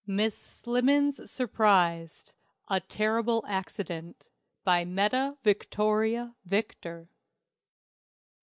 MISS SLIMMENS SURPRISED. A Terrible Accident. BY METTA VICTORIA VICTOR.